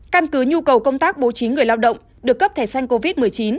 căn cứ nhu cầu công tác bố trí người lao động được cấp thẻ xanh covid một mươi chín